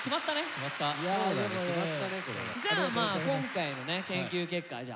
今回のね研究結果